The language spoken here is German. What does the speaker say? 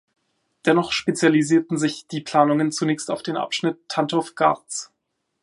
Dennoch spezialisierten sich die Planungen zunächst auf den Abschnitt Tantow–Gartz.